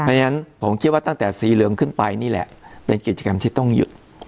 เพราะฉะนั้นผมคิดว่าตั้งแต่สีเหลืองขึ้นไปนี่แหละเป็นกิจกรรมที่ต้องหยุด